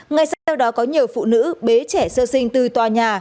ngay sau đó có nhiều phụ nữ bế trẻ sơ sinh từ tòa nhà